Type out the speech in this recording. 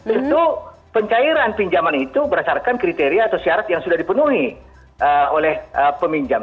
itu pencairan pinjaman itu berdasarkan kriteria atau syarat yang sudah dipenuhi oleh peminjam